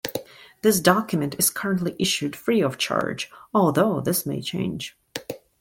This document is currently issued free of charge, although this may change.